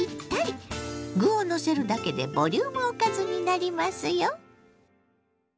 具をのせるだけでボリュームおかずになりますよ。